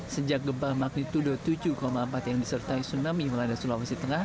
sejak gempa magnitudo tujuh empat yang disertai tsunami melanda sulawesi tengah